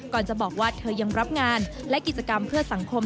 จะบอกว่าเธอยังรับงานและกิจกรรมเพื่อสังคม